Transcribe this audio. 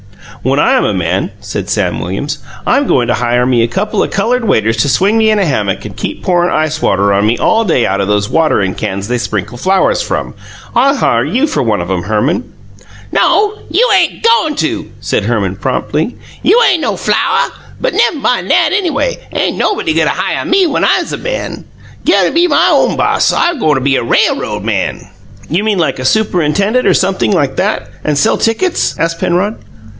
"When I'm a man," said Sam Williams, "I'm goin' to hire me a couple of coloured waiters to swing me in a hammock and keep pourin' ice water on me all day out o' those waterin' cans they sprinkle flowers from. I'll hire you for one of 'em, Herman." "No; you ain' goin' to," said Herman promptly. "You ain' no flowuh. But nev' min' nat, anyway. Ain' nobody goin' haih me whens I'm a man. Goin' be my own boss. I'm go' be a rai'road man!" "You mean like a superintendent, or sumpthing like that, and sell tickets?" asked Penrod.